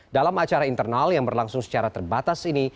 dalam acara internal yang berlangsung secara terbatas ini